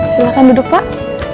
silakan duduk pak